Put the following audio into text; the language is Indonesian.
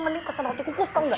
mending pesen roti kukus tau gak